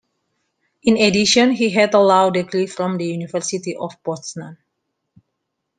In addition, he had a law degree from the University of Poznan.